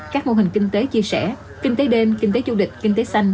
các mô hình kinh tế chia sẻ kinh tế đêm kinh tế du lịch kinh tế xanh